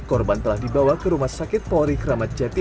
korban telah dibawa ke rumah sakit polri kramaceti